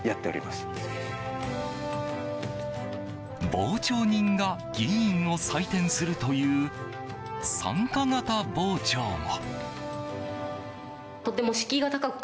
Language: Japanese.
傍聴人が議員を採点するという参加型傍聴も。